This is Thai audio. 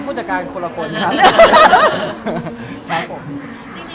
พูดจากการคนละจริงค่ะ